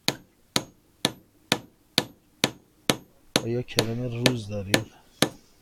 آیا کرم روز دارید؟